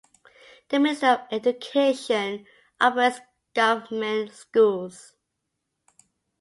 The Ministry of Education operates government schools.